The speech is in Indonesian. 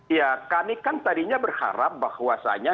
ya kami kan tadinya berharap bahwasannya